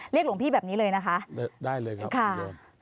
หลวงพี่แบบนี้เลยนะคะได้เลยครับ